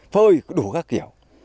thôi đủ các kiểu